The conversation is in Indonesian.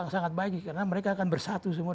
sangat baik karena mereka akan bersatu semua